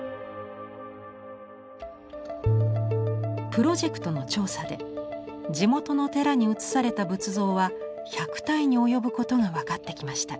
プロジェクトの調査で地元の寺に移された仏像は１００体に及ぶことが分かってきました。